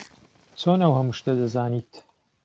چۆن ئەو هەموو شتە دەزانیت؟